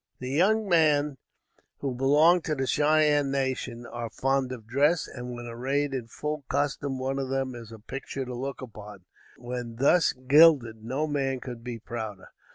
The young men who belong to the Cheyenne nation, are fond of dress, and when arrayed in full costume one of them is a picture to look upon; when thus gilded no man could be prouder.